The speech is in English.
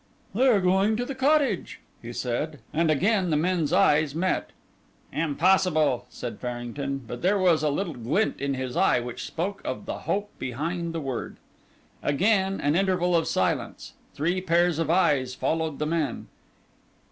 "They are going to the cottage!" he said, and again the men's eyes met. "Impossible," said Farrington, but there was a little glint in his eye which spoke of the hope behind the word. Again an interval of silence. Three pairs of eyes followed the men.